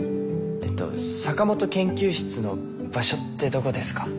坂本研究室の場所ってどこですか？